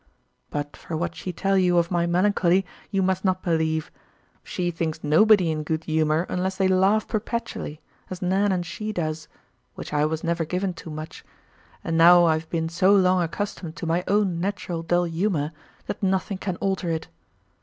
But for what she tell you of my melancholy you must not believe; she thinks nobody in good humour unless they laugh perpetually, as Nan and she does, which I was never given to much, and now I have been so long accustomed to my own natural dull humour that nothing can alter it.